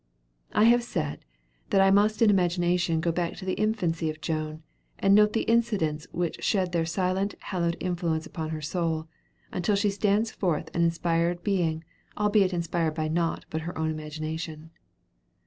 I have said, that I must in imagination go back to the infancy of Joan, and note the incidents which shed their silent, hallowed influence upon her soul, until she stands forth an inspired being, albeit inspired by naught but her own imagination.